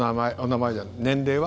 年齢は？